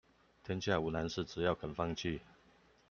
天下無難事，只要肯放棄